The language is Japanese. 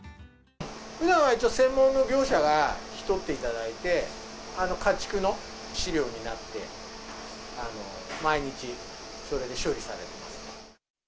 ふだんは専門の業者が引き取っていただいて、家畜の飼料になって、毎日、それで処理されてます。